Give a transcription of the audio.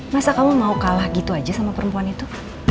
masa kamu mau kalah gitu aja sama perempuan itu